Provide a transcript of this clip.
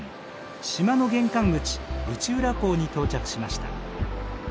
島の玄関口内浦港に到着しました。